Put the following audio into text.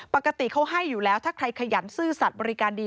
ปกติเขาให้อยู่แล้วถ้าใครขยันซื่อสัตว์บริการดี